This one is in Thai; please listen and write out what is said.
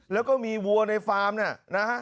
แล้วก็มีวัวในฟาร์มนะฮะ